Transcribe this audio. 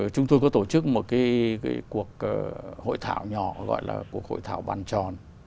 chúng tôi có tổ chức một cuộc hội thảo nhỏ gọi là cuộc hội thảo bàn tròn